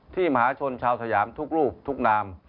มหาชนชาวสยามทุกรูปทุกนาม